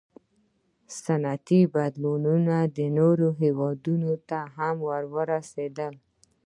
• صنعتي بدلونونه نورو هېوادونو ته هم ورسېدل.